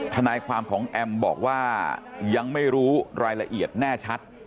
ทนายความของแอมบอกว่ายังไม่รู้รายละเอียดแน่ชัด